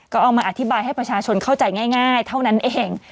ก็เอามาอธิบายให้ประชาชนเข้าใจง่ายเท่านั้นเอง